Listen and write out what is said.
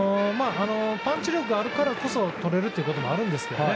パンチ力があるからこそとれるということもあるんですけどね。